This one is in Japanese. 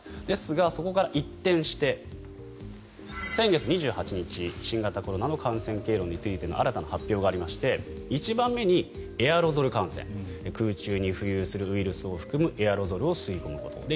ですが、そこから一転して先月２８日新型コロナの感染経路についての新たな発表がありまして１番目にエアロゾル感染空中に浮遊するウイルスを含むエアロゾルを吸い込むこと。